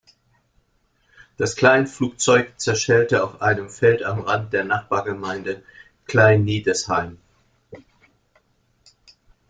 Das Kleinflugzeug zerschellte auf einem Feld am Rande der Nachbargemeinde Kleinniedesheim.